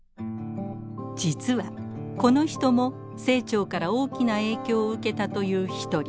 実はこの人も清張から大きな影響を受けたという一人。